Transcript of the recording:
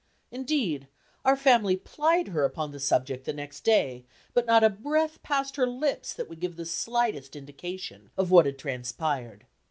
Indeed, our family plied her upon the subject the next day, but not a breath passed her lips that would give the slightest indication of what had transpired.